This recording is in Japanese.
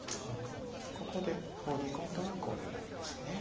ここでホウリ込んだらコウになります。